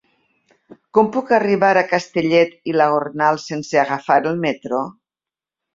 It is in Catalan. Com puc arribar a Castellet i la Gornal sense agafar el metro?